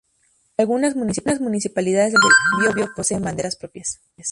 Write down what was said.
Algunas municipalidades de la Región del Biobío poseen banderas propias.